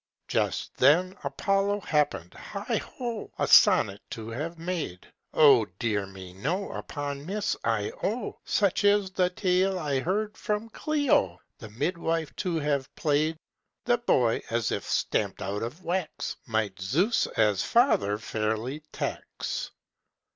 Just then Apollo happened "Heigh ho! A sonnet to have made?" Oh, dear me, no! upon Miss Io (Such is the tale I heard from Clio) The midwife to have played. The boy, as if stamped out of wax, Might Zeus as father fairly tax.